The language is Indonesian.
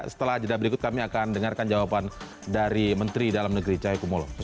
setelah jeda berikut kami akan dengarkan jawaban dari menteri dalam negeri cahaya kumolo